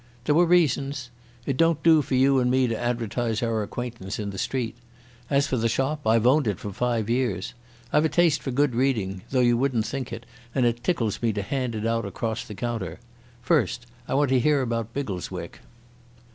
"There were reasons. It don't do for you and me to advertise our acquaintance in the street. As for the shop, I've owned it for five years. I've a taste for good reading, though you wouldn't think it, and it tickles me to hand it out across the counter.... First, I want to hear about Biggleswick."